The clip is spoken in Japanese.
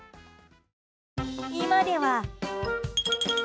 今では。